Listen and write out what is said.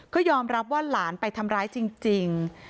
ก็ยอมรับว่าหลานไปทำร้ายจริง